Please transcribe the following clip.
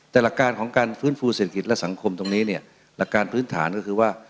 แต่หลักการของการฟื้นฟูเศรษฐกิจและสังคมตรงนี้เนี่ยหลักการพื้นฐานก็คือว่า